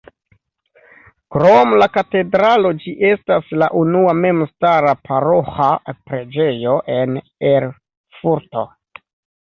Krom la katedralo ĝi estas la unua memstara paroĥa preĝejo en Erfurto.